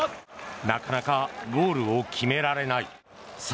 なかなかゴールを決められない。